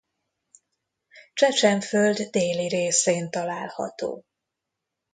Csecsenföld déli részén található.